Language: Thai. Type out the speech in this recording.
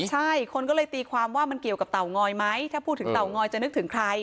ใช่คนก็เลยตีความว่ามันเกี่ยวกับเตางอยไหมถ้าพูดถึงเตางอยจะนึกถึงใคร